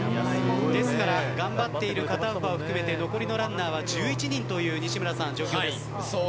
ですから頑張っている片岡を含めて残りのランナーは１１人という状況です。